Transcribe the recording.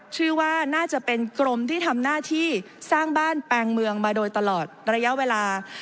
เชื่อว่าน่าจะเป็นกรมที่ทำหน้าที่สร้างบ้านแปลงเมืองมาโดยตลอดระยะเวลา